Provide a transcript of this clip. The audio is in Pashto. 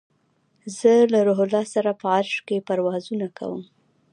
زه له روح الله سره په عرش کې پروازونه کوم